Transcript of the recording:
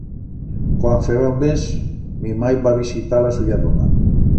Cuan feba un mes, mi mai va visitar a la suya dona.